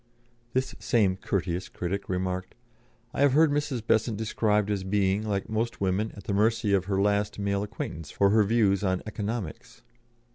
This same courteous critic remarked, "I have heard Mrs. Besant described as being, like most women, at the mercy of her last male acquaintance for her views on economics."